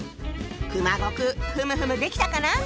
熊悟空ふむふむできたかな？